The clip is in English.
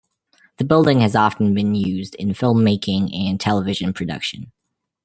The building has often been used in filmmaking and television production.